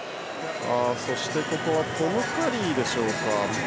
そしてトム・カリーでしょうか。